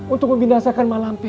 untuk membiasakan malamku